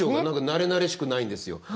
何かなれなれしくないんですよ。